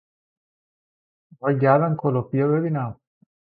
آهای گردن کلفت بیا ببینم!